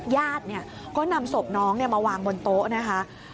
ญาติก็นำศพน้องมาวางบนโต๊ะนะคะ